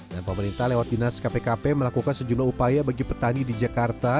dan pemerintah lewat dinas kpkp melakukan sejumlah upaya bagi petani di jakarta